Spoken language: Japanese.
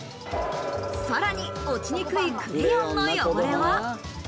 さらに落ちにくいクレヨンの汚れは。